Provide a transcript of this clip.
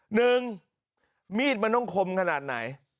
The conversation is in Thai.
หนึ่งมีดมันต้องคมขนาดไหน